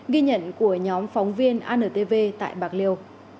ghi nhận của nhóm phóng viên antv tại bạc liêu